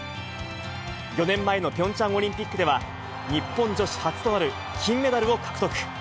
４年前のピョンチャンオリンピックでは、日本女子初となる金メダルを獲得。